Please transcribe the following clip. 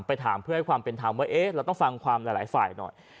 ถามเพื่อให้ความเป็นธรรมว่าเอ๊ะเราต้องฟังความหลายฝ่ายหน่อย